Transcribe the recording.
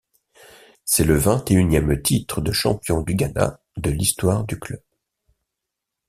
C'est le vingt-et-unième titre de champion du Ghana de l'histoire du club.